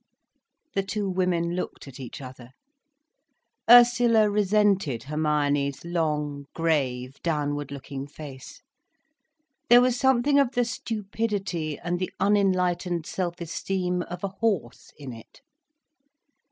The two women looked at each other. Ursula resented Hermione's long, grave, downward looking face. There was something of the stupidity and the unenlightened self esteem of a horse in it.